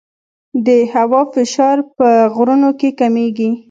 د هوا فشار په غرونو کې کمېږي.